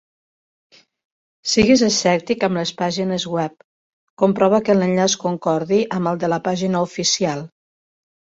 Sigues escèptic amb les pàgines web, comprova que l'enllaç concordi amb el de la pàgina oficial.